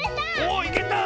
おいけた！